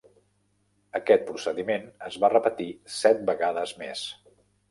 Aquest procediment es va repetir set vegades més.